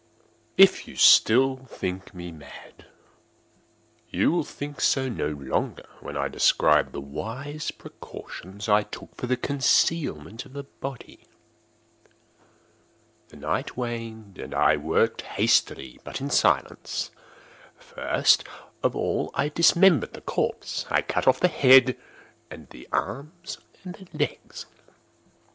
If still you think me mad, you will think so no longer when I describe the wise precautions I took for the concealment of the body. The night waned, and I worked hastily, but in silence. First of all I dismembered the corpse. I cut off the head and the arms and the legs.